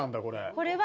これは。